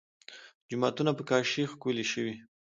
جوماتونه په کاشي ښکلي شوي.